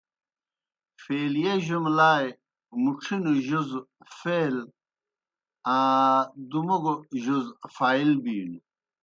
فعلِیہ جُملائے مُڇِھنوْ جُز فعل آ دُوموگوْ جُز فاعل بِینو۔